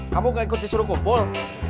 kamu nggak ikut disuruh ngumpul